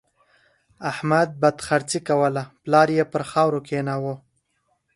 احمد بدخرڅي کوله؛ پلار يې پر خاورو کېناوو.